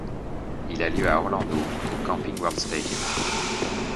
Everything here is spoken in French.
Il a lieu à Orlando au Camping World Stadium.